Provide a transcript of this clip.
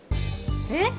えっ？